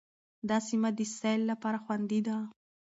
دا سیمه د سیل لپاره خوندي ده.